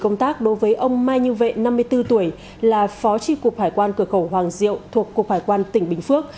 công tác đối với ông mai như vệ năm mươi bốn tuổi là phó tri cục hải quan cửa khẩu hoàng diệu thuộc cục hải quan tỉnh bình phước